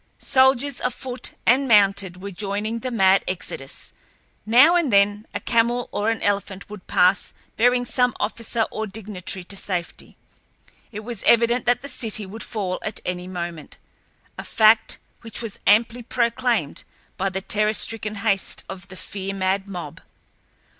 Soldiers, afoot and mounted, were joining the mad exodus. Now and then a camel or an elephant would pass bearing some officer or dignitary to safety. It was evident that the city would fall at any moment—a fact which was amply proclaimed by the terror stricken haste of the fear mad mob.